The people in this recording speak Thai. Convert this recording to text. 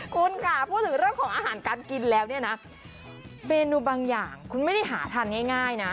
คุณค่ะพูดถึงเรื่องของอาหารการกินแล้วเนี่ยนะเมนูบางอย่างคุณไม่ได้หาทานง่ายนะ